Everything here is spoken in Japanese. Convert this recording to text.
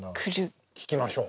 聴きましょう。